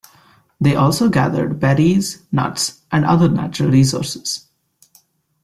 They also gathered berries, nuts and other natural resources.